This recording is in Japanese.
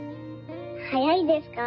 早いですか？